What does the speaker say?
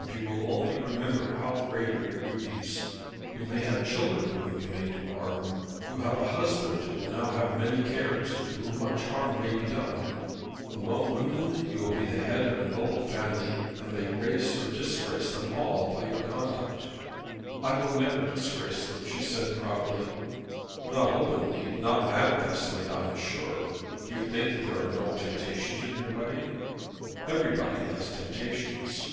"If you will only remember how great are your duties. You may have children to whom you may do harm. You have a husband, who will now have many cares, and to whom much harm may be done. Among women you will be the head of a noble family, and may grace or disgrace them all by your conduct." "I will never disgrace them," she said proudly. "Not openly, not manifestly I am sure. Do you think that there are no temptations in your way?" "Everybody has temptations."